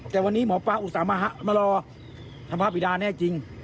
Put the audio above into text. แต่วันนี้หมอปลาอุตส่าหมามารอสภาพบิดาแน่จริง